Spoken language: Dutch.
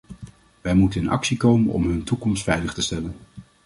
Wij moeten in actie komen om hun toekomst veilig te stellen.